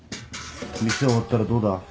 店終わったらどうだ？